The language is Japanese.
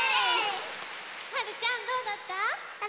はるちゃんどうだった？